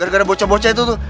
gara gara bocah bocah itu tuh